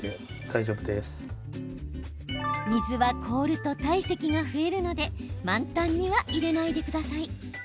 水は凍ると体積が増えるので満タンには入れないでください。